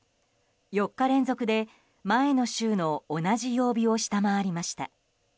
４日連続で前の週の同じ曜日を下回りました。